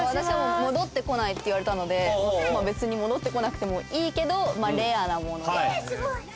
私もう戻ってこないって言われたのでまあ別に戻ってこなくてもいいけどレアなものすごい！